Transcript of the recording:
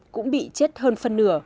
cũng bị chết hơn phân nửa